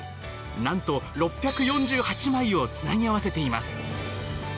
なんと６４８枚をつなぎ合わせています。